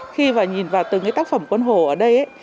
khi nhìn vào từng tác phẩm quân hồ ở đây